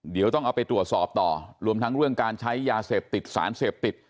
เดี๋ยวต้องเอาไปตรวจสอบต่อรวมทั้งเรื่องการใช้ยาเสพติดสารเสพติด